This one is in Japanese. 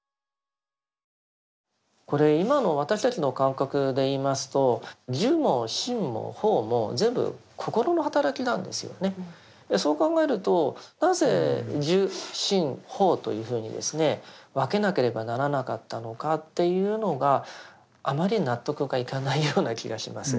これ今の私たちの感覚でいいますとそう考えるとなぜ受心法というふうに分けなければならなかったのかというのがあまり納得がいかないような気がします。